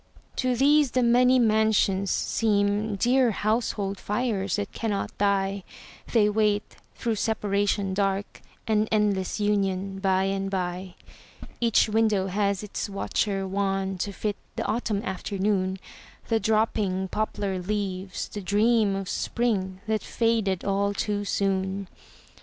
To these the many mansions seem Dear household fires that cannot die; They wait through separation dark An endless union by and by. Each window has its watcher wan To fit the autumn afternoon, The dropping poplar leaves, the dream Of spring that faded all too soon.